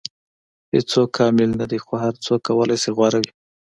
• هیڅوک کامل نه دی، خو هر څوک کولی شي غوره وي.